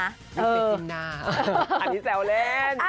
อย่าไปจิงหน้าอันนี้แซวเล่น